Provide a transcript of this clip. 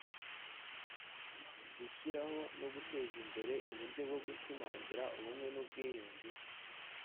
Gushyiraho no guteza imbere uburyo bwo gushimangira ubumwe n ubwiyunge